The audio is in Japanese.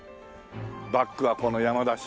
バックはこの山だし。